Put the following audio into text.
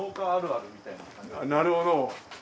なるほど。